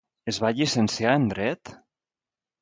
Es va llicenciar en Dret?